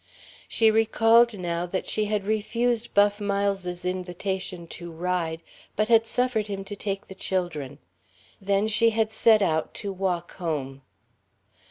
She recalled, now, that she had refused Buff Miles's invitation to ride, but had suffered him to take the children. Then she had set out to walk home.